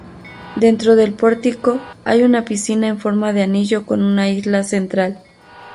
Dentro del pórtico hay una piscina en forma de anillo con una isla central.